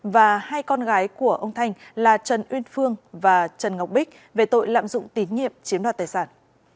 và hai con gái của ông thanh là trần uyên phương và trần ngọc bích về tội lạm dụng tín nhiệm chiếm đoạt tài sản